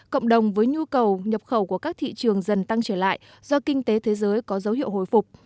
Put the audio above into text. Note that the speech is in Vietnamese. cộng đồng với nhu cầu nhập khẩu của các thị trường dần tăng trở lại do kinh tế thế giới có dấu hiệu hồi phục